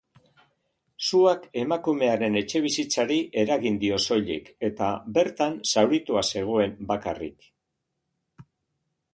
Suak emakumearen etxebizitzari eragin dio soilik, eta bertan zauritua zegoen bakarrik.